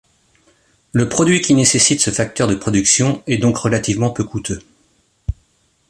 Le produit qui nécessite ce facteur de production est donc relativement peu coûteux.